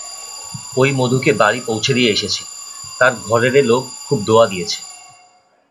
ওই মধুকে বাড়ি পৌছে দিয়ে এসেছি, তার ঘরেরে লোক খুব দোয়া দিয়েছে।